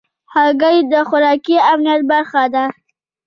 هګۍ د خوراکي امنیت برخه ده.